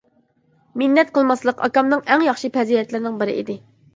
مىننەت قىلماسلىق ئاكامنىڭ ئەڭ ياخشى پەزىلەتلىرىنىڭ بىرى ئىدى.